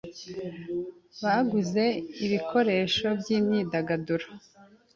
baguze ibikoresho by’imyidagaduro